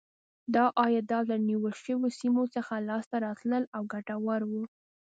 دا عایدات له نیول شویو سیمو څخه لاسته راتلل او ګټور و.